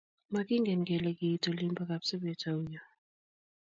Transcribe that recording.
Makingen kele kiit olin po Kapsabet auyo.